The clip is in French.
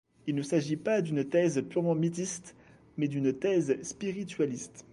Il ne s'agit pas d'une thèse purement mythiste, mais d'une thèse spiritualiste.